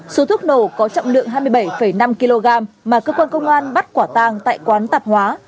số thuốc nổ có trọng lượng hai mươi bảy năm kg mà cơ quan công an bắt quả tang tại quán tạp hóa